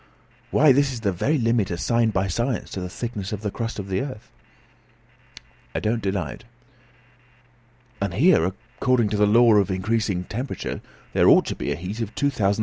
"Why, this is the very limit assigned by science to the thickness of the crust of the earth." "I don't deny it." "And here, according to the law of increasing temperature, there ought to be a heat of 2,732° Fahr.!"